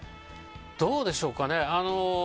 どうでしょうかね。